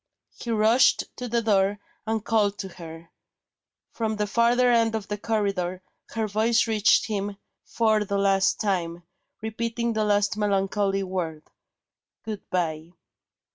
He rushed to the door, and called to her. From the farther end of the corridor, her voice reached him for the last time, repeating the last melancholy word: "Good bye."